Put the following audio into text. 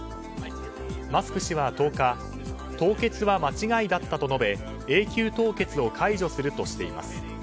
マスク氏は、１０日凍結は間違いだったと述べ永久凍結を解除するとしています。